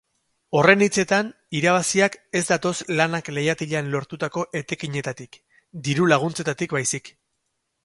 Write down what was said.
Horren hitzetan, irabaziak ez datoz lanak leihatilan lortutako etekinetatik, diru-laguntzetatik baizik.